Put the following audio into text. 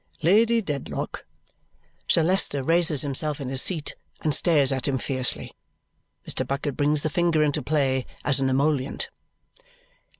Lady Dedlock " Sir Leicester raises himself in his seat and stares at him fiercely. Mr. Bucket brings the finger into play as an emollient.